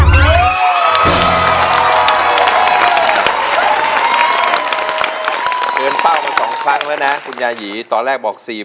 เป้าไป๒ครั้งแล้วนะคุณยายีตอนแรกบอก๔๐๐